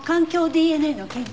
ＤＮＡの研究。